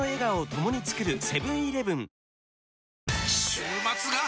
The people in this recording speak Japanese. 週末が！！